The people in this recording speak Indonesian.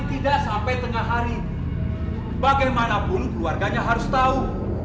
aku ingin memberitahu sesuatu padamu